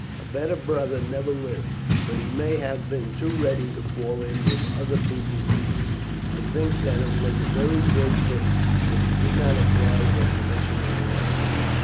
A better brother never lived, but he may have been too ready to fall in with other people's views. I think that it was a very great pity that he did not apply for a commission in the army."